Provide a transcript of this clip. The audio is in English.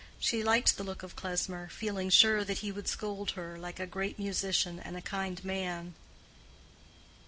She liked the look of Klesmer, feeling sure that he would scold her, like a great musician and a kind man.